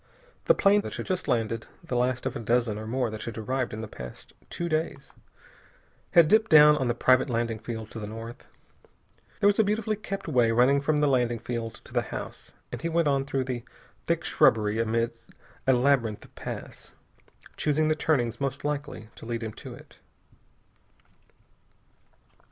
The plane that had just landed the last of a dozen or more that had arrived in the past two days had dipped down on the private landing field to the north. There was a beautifully kept way running from the landing field to the house, and he went on through the thick shrubbery amid a labyrinth of paths, choosing the turnings most likely to lead him to it.